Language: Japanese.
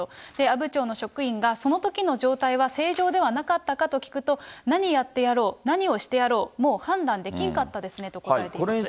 阿武町の職員が、そのときの状態は正常ではなかったかと聞くと、何やってやろう、何をしてやろう、もう判断できんかったですねと答えています。